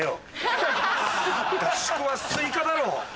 合宿はスイカだろ！